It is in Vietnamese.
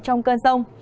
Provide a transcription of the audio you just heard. trong cơn rông